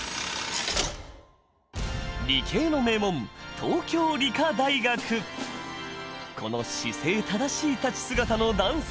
理系の名門この姿勢正しい立ち姿の男性。